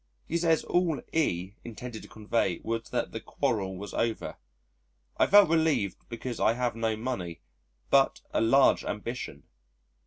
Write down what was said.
He says all E intended to convey was that the quarrel was over.... I felt relieved, because I have no money, but a large ambition.